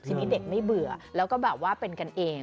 ทีนี้เด็กไม่เบื่อแล้วก็แบบว่าเป็นกันเอง